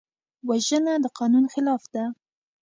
وژنه د قانون خلاف ده